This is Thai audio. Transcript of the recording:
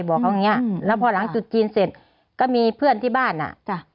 บอกเขาอย่างเงี้ยแล้วพอหลังจุดจีนเสร็จก็มีเพื่อนที่บ้านอ่ะจ้ะ